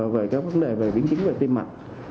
về các vấn đề về biến chứng về tim mạch